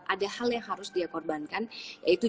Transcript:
ada hal yang harus dia korbankan yaitu